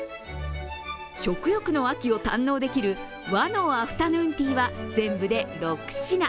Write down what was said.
食欲の秋を堪能できる和のアフタヌーンティーは全部で６品。